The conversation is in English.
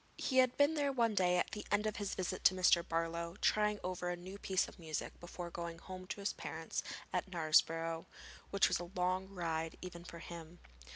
] He had been there one day at the end of his visit to Mr. Barlow, trying over a new piece of music before going home to his parents at Knaresborough, which was a long ride even for him.